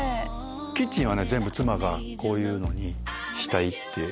キッチンは全部妻がこういうのにしたいって。